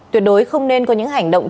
tuyệt đối không nên có những hành động